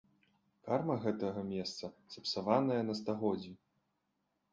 Карма гэтага месца сапсаваная на стагоддзі.